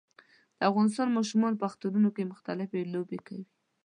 د افغانستان ماشومان په اخترونو کې مختلفي لوبې کوي